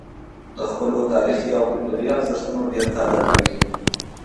د خپلو تاریخي او کلتوري ارزښتونو ډېر قدر کوي.